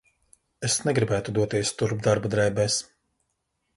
Es negribētu doties turp darba drēbēs.